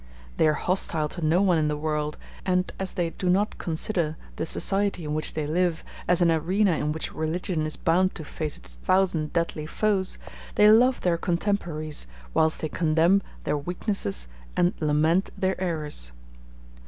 They are hostile to no one in the world; and as they do not consider the society in which they live as an arena in which religion is bound to face its thousand deadly foes, they love their contemporaries, whilst they condemn their weaknesses and lament their errors.